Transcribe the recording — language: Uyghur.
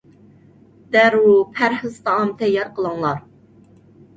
دەررۇ پەرھىز تائام تەييار قىلىڭلار!